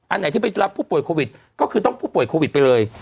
อันไหนที่ไปรับผู้ป่วยโควิดก็คือต้องผู้ป่วยโควิดไปเลย